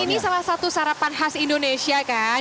ini salah satu sarapan khas indonesia kan